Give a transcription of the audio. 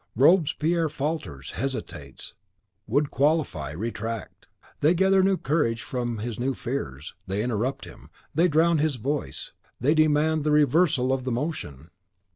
Robespierre falters, hesitates, would qualify, retract. They gather new courage from his new fears; they interrupt him; they drown his voice; they demand the reversal of the motion.